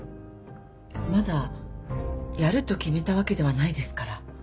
まだやると決めたわけではないですから。